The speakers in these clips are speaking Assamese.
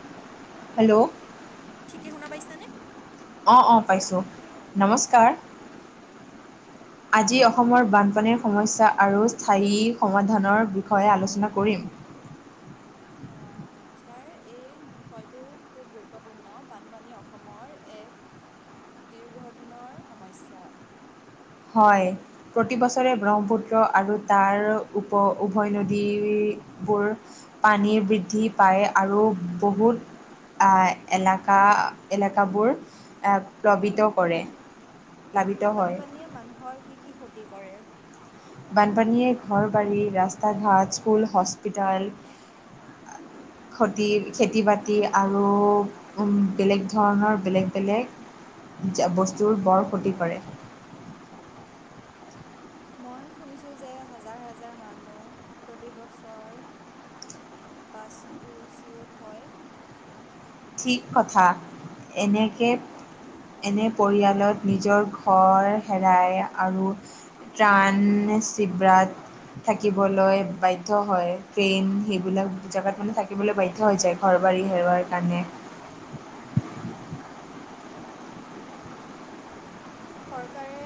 [unintelligible] হেল্ল' ঠিকে শুনা পাইছানে? অঁ' অঁ' পাইছোঁ, নমস্কাৰ। [unintelligible] আজি অসমৰ বানপানীৰ সমস্যা আৰু স্থায়ী সমাধানৰ বিষয়ে আলোচনা কৰিম। অ' নমস্কাৰ, এই বিষয়টো খুব গুৰুত্বপূৰ্ণ। বানপানী অসমৰ এক- দীৰ্ঘদিনৰ সমস্যা। হয়। প্ৰতি বছৰে ব্ৰহ্মপুত্ৰ আৰু তাৰ উপ উভয় নদী বোৰ পানী বৃদ্ধি পায়, আৰু বহুত এলেকা-এলেকাবোৰ প্লাৱিত কৰে। প্লাবিত হয় বানপানীয়ে মানুহৰ কি, কি ক্ষতি কৰে? বানপানীয়ে ঘৰবাৰী, ৰাস্তা-ঘাট, স্কুল হস্পিতাল [unintelligible] খতি-খেতি- বাতি আৰু বেলেগ ধৰণৰ বেলেগ, বেলেগ বস্তুৰ বৰ ক্ষতি কৰে। মই শুনিছোঁ যে হাজাৰ, হাজাৰ মানুহ প্ৰতিবছৰ বাছটো চিঅ'ত হয়। ঠিক কথা এনেকৈ এনে পৰিয়ালত নিজৰ ঘৰ হেৰাই আৰু ট্ৰণ চিভ্ৰত [unintelligible] থাকিবলৈ বাধ্য হয়, ট্ৰেইন সেইবিলাক জাগাত মানে থাকিবলৈ বাধ্য হৈ যায়। ঘৰ বাৰী হেৰুৱাৰ কাৰণে। চৰকাৰে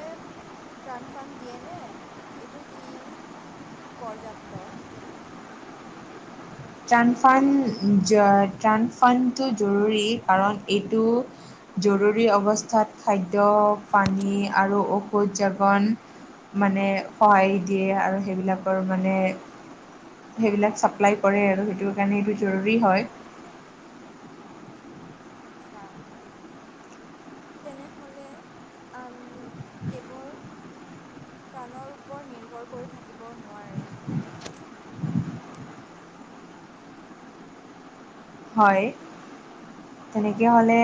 ট্ৰাণফাণ্ড দিয়েনে, এইটো কি? পৰ্যাপ্ত ট্ৰাণফ্ৰেণ্ড, ট্ৰাণফাণ্ডটো জৰুৰী কাৰণ এইটো জৰুৰী অৱস্থাত খাদ্য, পানী আৰু ঔষধ জাপন মানে সহায় দিয়ে আৰু সেইবিলাকৰ মানে সেইবিলাক চাপ্লাই কৰে আৰু সেইটো কাৰণে এইটো জৰুৰী হয়। আচ্ছা। তেনেহ'লে আমি কেৱল প্ৰাণৰ ওপৰত নিৰ্ভৰ কৰি থাকিব নোৱাৰে। হয় তেনেকে হ'লে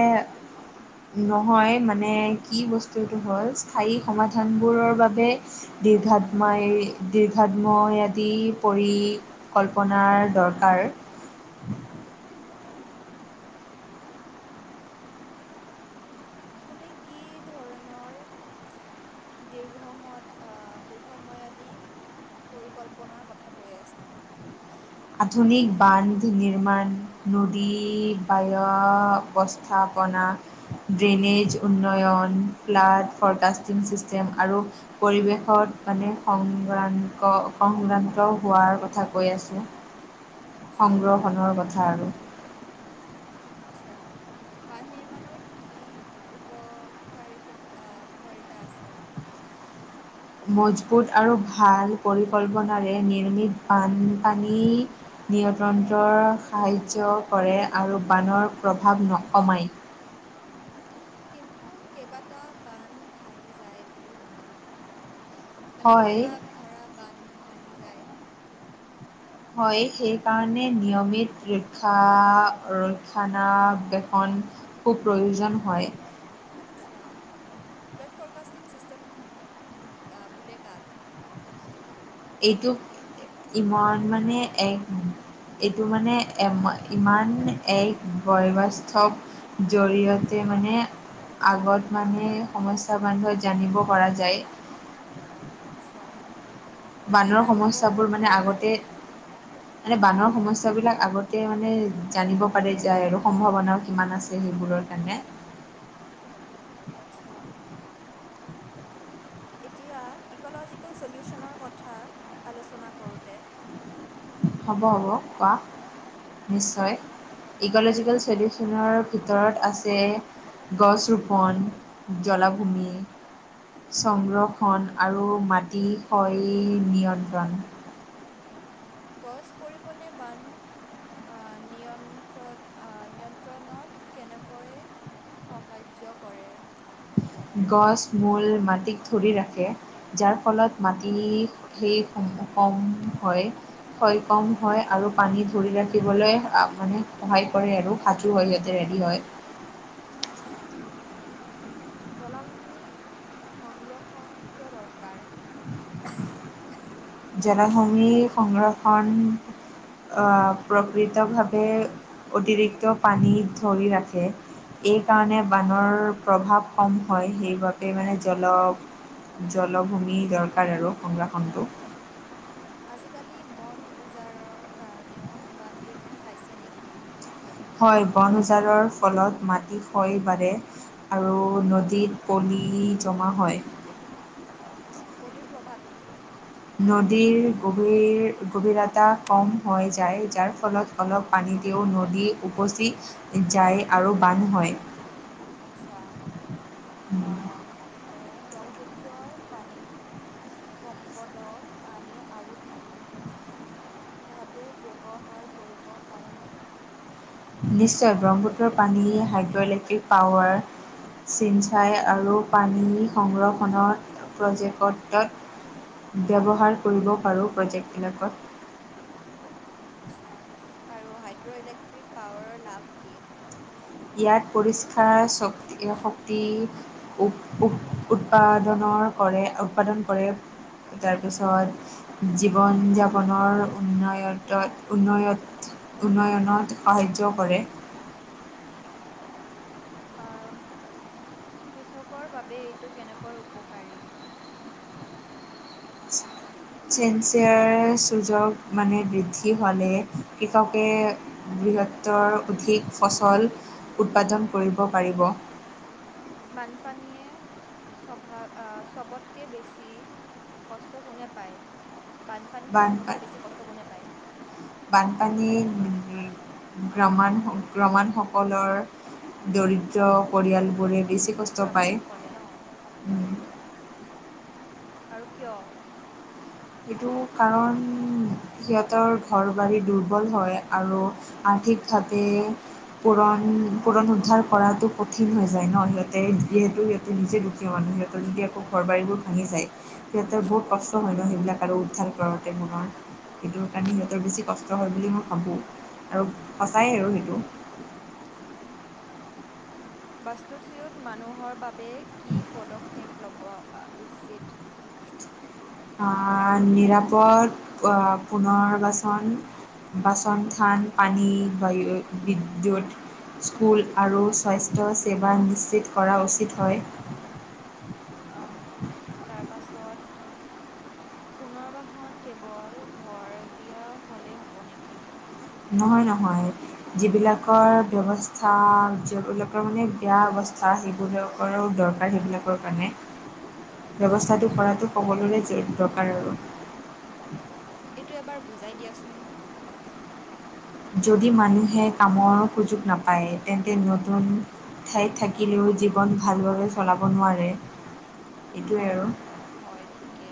নহয় মানে কি বস্তুটো হ'ল স্থায়ী সমাধানবোৰৰ বাবে দীৰ্ঘাত্মই, দীৰ্ঘাত্ময় আদি পৰি কল্পনাৰ দৰকাৰ। তুমি কি ধৰণৰ দীৰ্ঘময়ত, দীৰ্ঘময়দি পৰিকল্পনাৰ কথা কৈ আছা। আধুনিক বান্ধ নিৰ্মাণ। নদী, বায়ু, অস্থাপনা। ড্ৰেইনেজ উন্নয়ন, ফ্লাড ফৰকাষ্টিং ছিষ্টেম আৰু পৰিৱেশত মানে সংক্ৰান্ত, সংক্ৰান্ত হোৱাৰ কথা কৈ আছে। আচ্ছা আৰু। অ'কে আচ্ছা। বান্ধ নিৰ্মাণৰ কি উপকাৰি-কাৰিতা আছে? মজবুত আৰু ভাল পৰিকল্পনাৰে নিৰ্মিত বানপানী নিয়ন্ত্ৰণৰ সাহাৰ্য কৰে আৰু বানৰ প্ৰভাৱ নকমায়। কিন্তু কেইবাটা বান্ধ ভাঙি যায় বুলি শুনো। মানে হয়, কেতিয়াবা ধৰা বান্ধ ভাঙি যায়। হয়, সেইকাৰণে নিয়মিত ৰক্ষা ৰক্ষনা বেষণ খুব প্ৰয়োজন হয়। আচ্ছা ফ্লড ফৰকাষ্টিং চিষ্টেম বুলে কাক? এইটো ইমান মানে এক এইটো মানে ইমান এক বয়বাস্তৱ জৰিয়তে মানে আগত মানে সমস্্যা বান্ধত জানিব পৰা যায়। আচ্ছা বানৰ তাৰ সমস্যাবোৰ মানে উপকাৰিতা আগতে কি? মানে বানৰ সমস্যা বিলাক আগতে মানে জানিব পাৰে যায় আৰু সম্ভাৱনাও কিমান আছে যে সেইবোৰৰ কাৰণে আচ্ছা এতিয়া ইক'লজিকেল চলিউচনৰ কথা আলোচনা কৰোঁতে হ'ব হ'ব কোৱা নিশ্চয় ইগ'লজিকেল চলিউচনৰ ভিতৰত আছে গছ ৰোপন জলাভূমি সংৰক্ষণ আৰু মাটিশয় নিয়ন্ত্ৰণ গছ পৰিবনে বান নিয়ন্ত্ৰণ নিয়ন্ত্ৰণত কেনেকৈ সাহায্য কৰে গছ মূল মাটিক ধৰি ৰাখে যাৰ ফলত মাটি সেই সমূহকম হয় হয় কম হয় আৰু পানী ধৰি ৰাখিবলৈ মানে সহায় কৰে আৰু আঠু হয় ইয়াতে ৰেডি হয় আচ্ছা জলাভূমি সংৰক্ষণ কিয় দৰকাৰ জলভূমি সংৰক্ষণ প্ৰকৃতভাৱে অতিৰিক্ত পানী ধৰি ৰাখে এইকাৰণে বানৰ প্ৰভাৱ কম হয় সেইবাবে মানে জলক জলভূমি দৰকাৰ আৰু সংৰক্ষণটো অঁ আজিকালি বন উজাৰৰ কাৰণেও বান বৃদ্ধি পাইছে নেকি হয় বন উজাৰৰ ফলত মাটি হয় বাৰে আৰু নদীত পলি জমা হয় পলিৰ প্ৰভাত কি নদীৰ গভীৰ গভীৰতা কম হৈ যায় যাৰ ফলত অলপ পানীতে নদী উপচি যায় আৰু বান্ধ হয় আচ্ছা তে ব্ৰহ্মপুত্ৰৰ পানী সম্পদক আমি আৰু ভাল ভাৱে ব্যৱহাৰ কৰিব পাৰোঁনে নিশ্চয় ব্ৰহ্মপুত্ৰৰ পানী হাইড্ৰ' ইলেক্ট্ৰিক পাৱাৰ চিনঞ্চাই আৰু পানী সংৰক্ষণৰ প্ৰজেক্টতত ব্যৱহাৰ কৰিব পাৰোঁ প্ৰজেক্টবিলাকত আচ্ছা আৰু হাইড্ৰ' ইলেক্ট্ৰিক পাৱাৰৰ লাভ কি ইয়াত পৰিষ্কাৰ শক্তি শক্তি উ উ উৎপাদনৰ কৰে উৎপাদন কৰে তাৰপিছত জীৱন যাপনৰ উন্নয়ত উন্নয়ত উন্নয়নত সাহায্য কৰে কৃচকৰ বাবে এইটো কেনেকৈ উপকাৰী চেঞ্চিয়াৰ চোযোগ মানে বৃদ্ধি হ'লে কৃষকে বৃহত্তৰ অধিক ফচল উৎপাদন কৰিব পাৰিব বানপানীয়ে স্বভা চবতকৈ বেছি কষ্ট কোনে পায় বানপানীত বানপা চবতচে বেছি কষ্ট কোনে পায় বানপানী মে গ্ৰাম গ্ৰামাসকলৰ দৰিদ্ৰ পৰিয়ালবোৰে বেছি কষ্ট পায় গ্ৰামনসকলে ন আৰু কিয় এইটো কাৰণ সিহঁতৰ ঘৰ বাৰী দুৰ্বল হয় আৰু। আৰ্ঠিক ভাবে। পূৰণ, পূৰণ উদ্ধাৰ কৰাটো কঠিন হৈ যায় ন সিহঁতে, যিহেতু। নিজে দুখীয়া মানুহ সিহঁতৰ যদি আকৌ ঘৰ বাৰীবোৰ ভাঙি যায় সিহঁতৰ বহুত অ'। কষ্ট হয় ন সেইবিলাক। আৰু উদ্ধাৰ কৰোতে তোমাৰ। সেইটোৰ কাৰণে সিহঁতৰ বেছি কষ্ট হয় বুলি মই ভাবোঁ, আৰু সঁচাই আৰু সেইটো। বাস্তুচুইত মানুহৰ বাবে কি পদক্ষেপ ল'ব আ উচিত। আ নিৰাপদ পুনৰবাচন। বাচন, থান, পানী, বায়ু, বিদ্যুত। স্কুল আৰু স্বাস্থ্যসেৱা নিশ্চিত কৰা উচিত হয়। ওম তাৰপাছত। পুনৰ্বাসন কেৱল ঘৰ দিয়া হ'লেই হ'ব নেকি। নহয় নহয়। যিবিলাকৰ ব্যৱস্থা যিবিলাকৰ মানে বেয়া অৱস্থা সেইবোৰহে। কৰ দৰকাৰ সেইবিলাকৰ কাৰণে। ব্যৱস্থাটো আচ্ছা কৰাটো সকলোৰে দৰকাৰ আৰু। এইটো এবাৰ বুজাই দিয়াচোন। যদি মানুহে কামৰ সুযোগ নাপায়, তেন্তে নতুন। ঠাইত থাকিলেও জীৱন ভালভাৱে চলাব নোৱাৰে। এইটোৱেই আৰু। অঁ হয় ঠিকে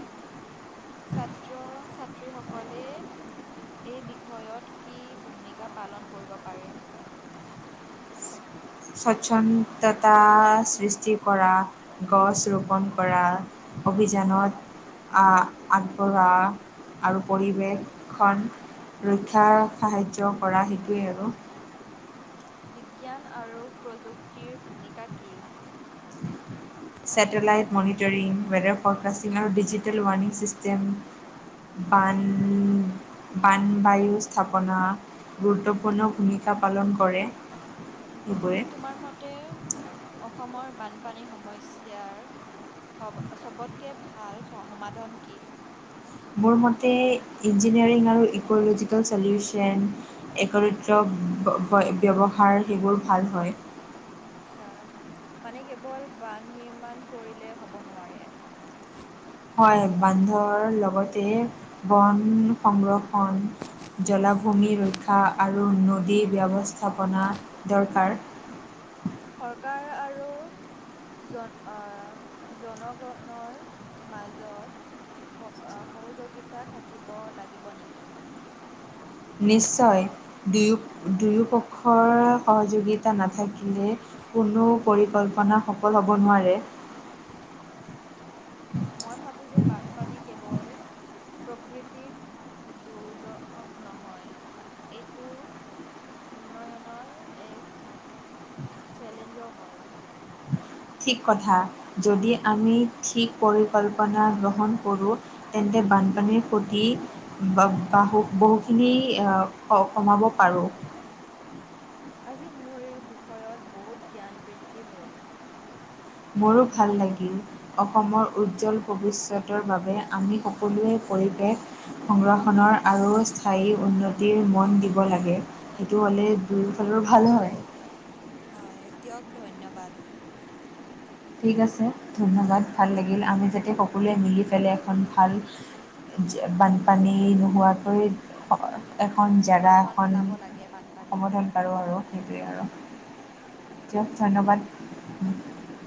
ছাত্ৰ- ছাত্ৰী সকলে। এই বিষয়ত, কি ভূমিকা পালন কৰিব পাৰে। স্বচ্ছন্দতা সৃষ্টি কৰা, গছ ৰোপন কৰা। অভিযানত। আ আগবঢ়োৱা আৰু পৰিৱেশখন। ৰক্ষাৰ সাহাৰ্য কৰা সেইটোৱেই আৰু। বিজ্ঞান আৰু প্ৰযুক্তিৰ ভূমিকা কি। ছেটেলাইট মনিটৰিং, ৱেডাৰ ফৰকষ্টিং আৰু ডিজিটেল ৱ্ণিং ছিষ্টেম। বান, বানবায়ু স্থাপনা। গুৰুত্বপূৰ্ণ ভূমিকা পালন কৰে সেইবোৰে। আমাৰ মতে, অসমৰ বানপানী সমস্যাৰ। হবত চবতকে ভাল সমাধান কি। মোৰ মতে ইঞ্জিনিয়াৰিং আৰু ইক'ল'জিকেল চলিউচন। একৰিতক ব্যৱহাৰ সেইবোৰ ভাল হয়। আচ্ছা, মানে কেৱল বান নিৰ্মাণ কৰিলে হ'ব নোৱাৰে। হয়, বান্ধৰ লগতে বন সংৰক্ষণ- জলাভূমি ৰক্ষা আৰু নদী ব্যৱস্থাপনা দৰকাৰ। চৰকাৰ আৰু- জন আ জনগণৰ মাজত- স অঁ' সহযোগিতা থাকিব লাগিব নেকি? নিশ্চয়, দুয়ো দুয়োপক্ষৰ- যোগিতা নাথাকিলে, কোনো পৰিকল্পনা সফল হ'ব নোৱাৰে। মই ভাবোঁ যে বানপানী কেৱল- প্ৰকৃতিক দুৰ্যগ নহয়, এইটো- উন্নয়নৰ এক চেলেঞ্জও হয়। ঠিক কথা, যদি আমি ঠিক পৰিকল্পনা গ্ৰহণ কৰোঁ- তেন্তে বানপানীৰ সুতি- বা বাহু বহুখিনি কমাব পাৰোঁ। আজি মোৰ এই বিষয়ত বহুত জ্ঞান বৃদ্ধি হ'ল। মোৰো ভাল লাগিল। অসমৰ উজ্জ্বল ভৱিষ্যতৰ বাবে আমি সকলোৱে পৰিৱেশ- সংৰক্ষণৰ আৰু স্থায়ী উন্নতিৰ মন দিব লাগে। সেইটো হ'লে দুয়ো ফালৰো ভাল হয়। হয়, দিয়ক ধন্যবাদ। ঠিক আছে, ধন্যবাদ। ভাল লাগিল, আমি যাতে সকলোৱে মিলি পেলাই এখন ভাল- যে বানপানী নোহোৱাকৈ- এখন জেগা সমাধান এখন ওলাব লাগে বানপানীৰ সমথন পাৰো আৰু সেইটোৱেই আৰু। তুমি দিয়ক, অঁ ধন্যবাদ।